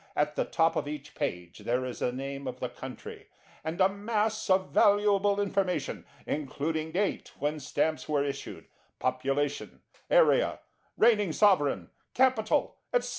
At the top of each page there is the name of the country, and a mass of valuable information, including date when Stamps were issued, population, area, reigning sovereign, capital, etc.